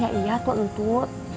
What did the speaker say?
ya iya tuh entut